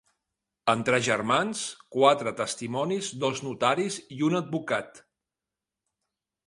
Entre germans, quatre testimonis, dos notaris i un advocat.